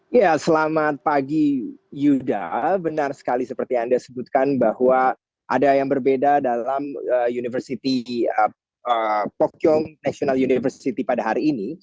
ya selamat pagi yuda benar sekali seperti yang anda sebutkan bahwa ada yang berbeda dalam university pokyong national university pada hari ini